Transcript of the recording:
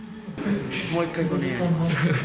もう一回５年やります。